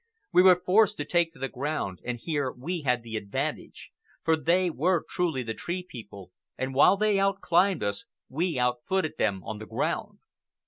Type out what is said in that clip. We were forced to take to the ground, and here we had the advantage, for they were truly the Tree People, and while they out climbed us we out footed them on the ground.